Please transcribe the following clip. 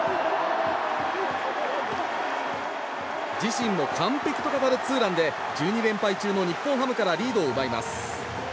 自身も完璧と語るツーランで１２連敗中の日本ハムからリードを奪います。